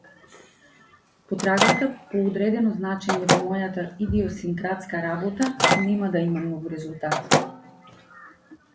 Потрагата по одредено значење во мојата идиосинкратска работа нема да има многу резултат.